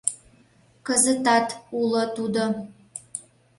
Кызытат уло тудо.